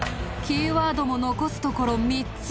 キーワードも残すところ３つ。